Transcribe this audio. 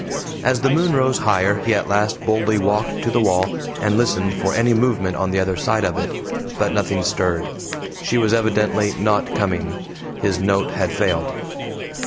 As the moon rose higher he at last boldly walked to the wall, and listened for any movement on the other side of it. But nothing stirred. She was evidently NOT coming his note had failed.